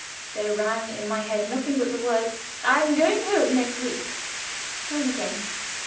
There rang in my head nothing but the words, "I am going home next week." Home again!